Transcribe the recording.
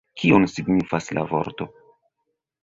Kion signifas la vorto?